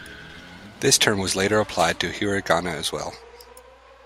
This term was later applied to hiragana, as well.